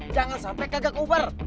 jangan sampai kagak uber